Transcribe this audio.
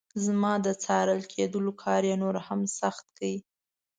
زما د څارل کېدلو کار یې نور هم سخت کړ.